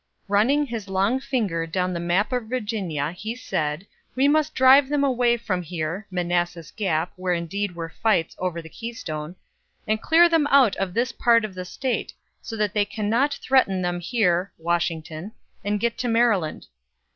"Running his long forefinger down the map of Virginia, he said: 'We must drive them away from here (Manassas Gap, where indeed were fights over the keystone), and clear them out of this part of the State, so that they cannot threaten them here (Washington) and get into Maryland.'